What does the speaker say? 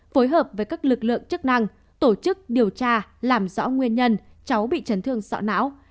phối hợp với các lực lượng chức năng tổ chức điều tra làm rõ nguyên nhân cháu bị chấn thương sọ não